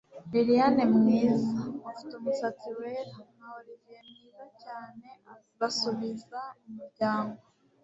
Liliane mwiza, ufite umusatsi wera na Olivier mwiza cyane basubiza umuryango